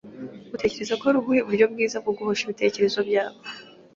Utekereza ko ari ubuhe buryo bwiza bwo guhosha ibitekerezo byabo?